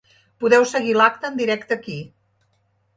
Podeu seguir l’acte en directe aquí.